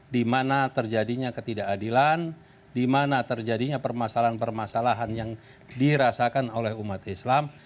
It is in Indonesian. di mana terjadinya ketidakadilan di mana terjadinya permasalahan permasalahan yang dirasakan oleh umat islam